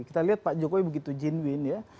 kita lihat pak jokowi begitu genuin ya